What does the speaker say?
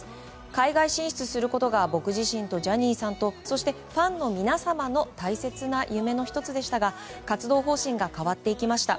海外進出することが僕自身とジャニーさんとそしてファンの皆様の大切な夢の１つでしたが活動方針が変わっていきました。